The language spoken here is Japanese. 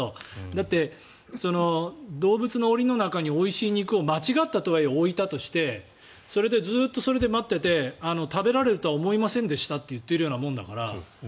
だって動物の檻の中においしい肉を間違ったとはいえ置いたとしてそれでずっと待ってて食べられるとは思いませんでしたと言っているようなものだから。